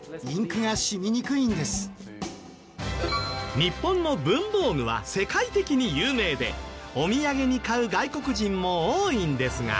日本の文房具は世界的に有名でお土産に買う外国人も多いんですが。